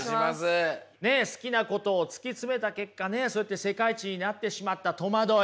ね好きなことを突き詰めた結果ねそうやって世界一になってしまった戸惑い。